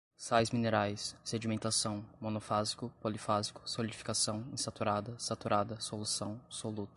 sais minerais, sedimentação, monofásico, polifásico, solidificação, insaturada, saturada, solução, soluto